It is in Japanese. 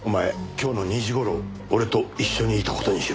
今日の２時頃俺と一緒にいた事にしろ。